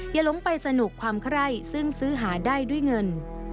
อย่าลงไปสนุกความไคร้ซึ่งซื้อหาได้ด้วยเงิน